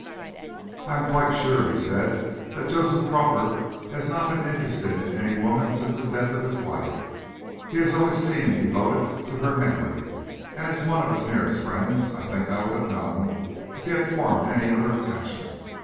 "I'm quite sure," he said, "that Joseph Crawford has not been interested in any woman since the death of his wife. He has always seemed devoted to her memory, and as one of his nearest friends, I think I would have known if he had formed any other attachment.